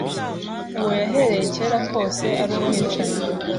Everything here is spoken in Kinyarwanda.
Uwo yahereye kera kose ari umwicanyi,